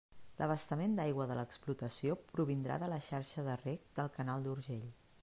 L'abastament d'aigua de l'explotació provindrà de la xarxa de reg del canal d'Urgell.